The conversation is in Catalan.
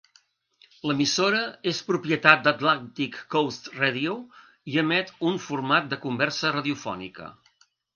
L'emissora és propietat d'Atlantic Coast Radio i emet un format de conversa radiofònica.